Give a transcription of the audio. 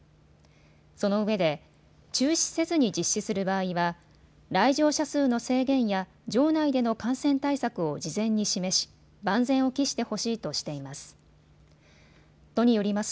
そのうえで中止せずに実施する場合は来場者数の制限や場内での感染対策を事前に示し、万全を期してほしいとしています。